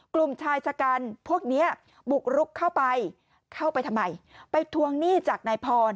กลุ่มชายชะกันพวกนี้บุกรุกเข้าไปเข้าไปทำไมไปทวงหนี้จากนายพร